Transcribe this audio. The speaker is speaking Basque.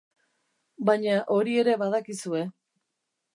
Baina hori ere badakizue.